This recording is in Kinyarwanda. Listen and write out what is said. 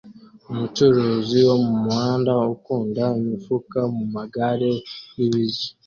Umucuruzi wo mumuhanda ukunda imifuka mumagare y'ibiryo